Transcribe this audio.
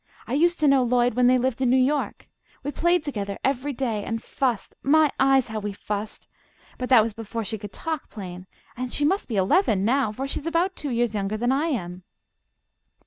I used to know Lloyd when they lived in New York. We played together every day, and fussed my eyes, how we fussed! But that was before she could talk plain, and she must be eleven now, for she's about two years younger than I am."